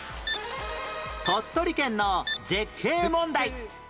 鳥取県の絶景問題